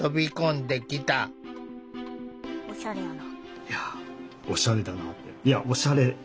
おしゃれやな。